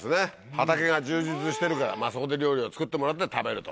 畑が充実してるからそこで料理を作ってもらって食べると。